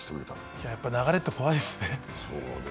いや、やっぱり流れって怖いですね。